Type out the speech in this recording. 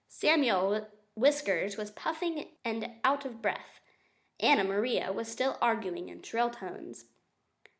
Samuel Whiskers was puffing and out of breath. Anna Maria was still arguing in shrill tones.